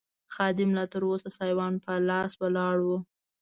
خادم لا تراوسه سایوان په لاس ولاړ و.